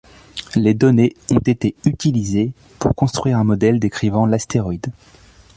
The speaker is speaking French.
Les données ont été utilisées pour construire un modèle décrivant l'astéroïde.